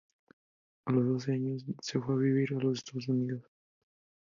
A los doce años se fue a vivir a los Estados Unidos.